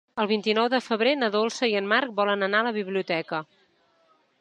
El vint-i-nou de febrer na Dolça i en Marc volen anar a la biblioteca.